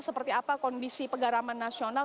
seperti apa kondisi pegaraman nasional